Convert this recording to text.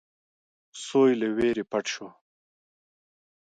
سوی له وېرې پټ شو.